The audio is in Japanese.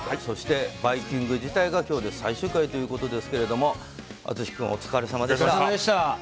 そして、「バイキング」自体が今日で最終回ということですけど淳君、お疲れさまでした。